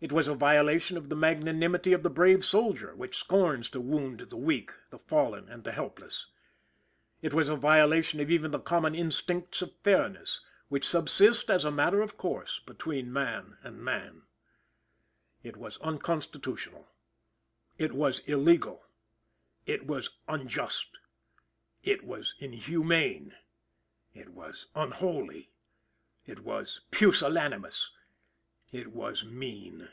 It was a violation of the magnanimity of the brave soldier, which scorns to wound the weak, the fallen and the helpless. It was a violation of even the common instincts of fairness, which subsist, as a matter of course, between man and man. It was unconstitutional. It was illegal. It was unjust. It was inhumane. It was unholy. It was pusillanimous. It was mean.